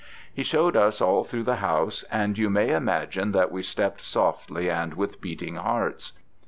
He showed us all through the house; and you may imagine that we stepped softly and with beating hearts.